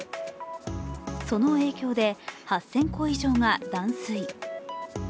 その影響で８０００戸以上が断水。